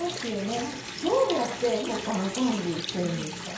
どうやって保管管理してるんですか？